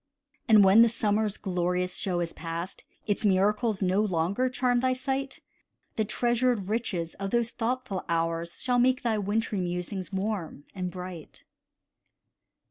And when the summer's glorious show is past, Its miracles no longer charm thy sight, The treasured riches of those thoughtful hours Shall make thy wintry musings warm and bright.